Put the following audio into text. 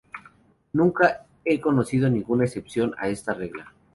Nunca he conocido ninguna excepción a esta regla.